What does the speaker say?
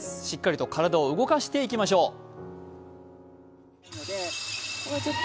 しっかりと体を動かしていきましょう。